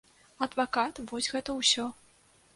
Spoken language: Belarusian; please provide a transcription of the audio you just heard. Адвакат, вось гэта ўсё.